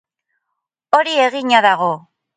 Hori egina dago.